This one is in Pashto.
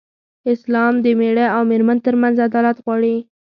اسلام د مېړه او مېرمن تر منځ عدالت غواړي.